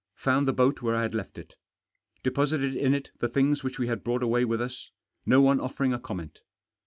Found the boat where I had left it Deposited in it the things which we had brought away with us ; no one offering a comment.